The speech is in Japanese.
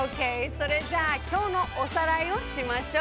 それじゃあきょうのおさらいをしましょう！